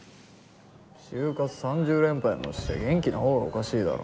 就活３０連敗もして元気なほうがおかしいだろ。